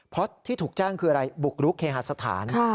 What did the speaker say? เพราะที่ถูกแจ้งคืออะไรบุกรุกเคหสถาน